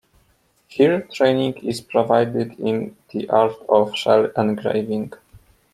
Here training is provided in the art of shell engraving.